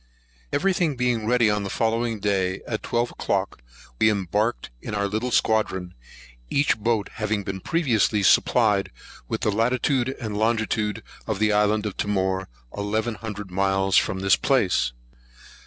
EVERY thing being ready on the following day, at twelve o'clock, we embarked in our little squadron, each boat having been previously supplied with the latitude and longitude of the island of Timor, eleven hundred miles from this place.